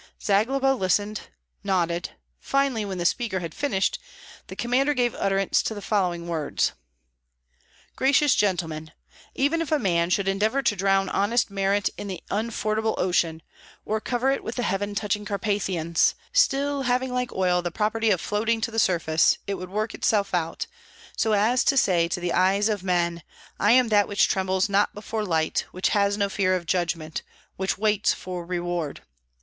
Zagloba listened, nodded; finally, when the speaker had finished, the commander gave utterance to the following words, "Gracious gentlemen! Even if a man should endeavor to drown honest merit in the unfordable ocean, or cover it with the heaven touching Carpathians, still, having like oil the property of floating to the surface, it would work itself out, so as to say to the eyes of men, 'I am that which trembles not before light, which has no fear of judgment, which waits for reward.'